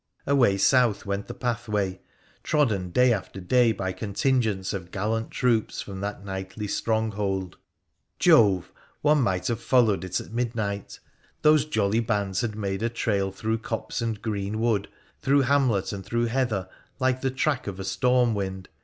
Away soutl went the pathway,, trodden day after day by contingents o; gallant troops from that, knightly stronghold, Jove! om PHRA THE PIICENICIAN 163 might have followed it at midnight : those jolly bands had made a trail through copse and green wood, through hamlet and through heather, like the track of a storm wind.